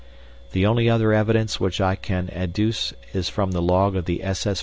The only other evidence which I can adduce is from the log of the SS.